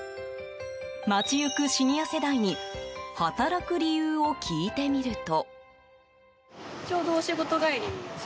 街行くシニア世代に働く理由を聞いてみると。